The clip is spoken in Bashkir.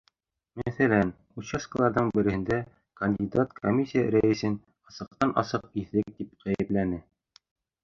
Мәҫәлән, участкаларҙың береһендә кандидат комиссия рәйесен асыҡтан-асыҡ иҫерек тип ғәйепләне.